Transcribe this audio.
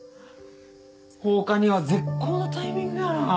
放火には絶好のタイミングやな。